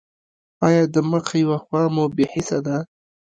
ایا د مخ یوه خوا مو بې حسه ده؟